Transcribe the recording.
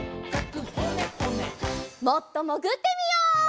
もっともぐってみよう！